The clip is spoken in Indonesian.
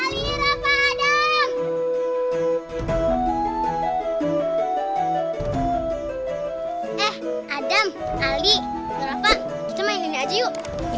laku nyayang paud guteh